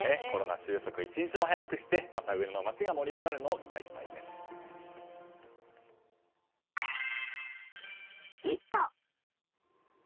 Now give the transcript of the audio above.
コロナ収束一日も早くしてまた上野の街が盛り上がるのを期待したいですね。